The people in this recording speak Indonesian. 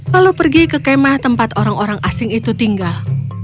lalu pergi ke kemah tempat orang orang asing itu tinggal